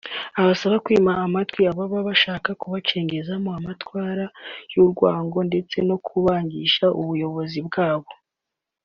abasaba kwima amatwi ababa bashaka kubacengezamo amatwara y’urwango ndetse no kubangisha ubuyobozi bwabo